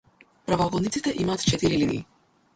Правоаголниците имаат четири линии.